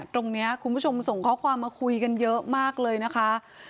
คุณผู้ชมส่งข้อความมาคุยกันเยอะมากเลยนะคะ